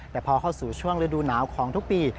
แต่พอเข้าสู่ช่วงฤดูหนาวของทุกปี